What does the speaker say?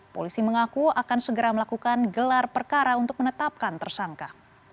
polisi mengaku akan segera melakukan gelar perkara untuk menetapkan tersangka